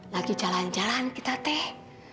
lagi jalan jalan kita teh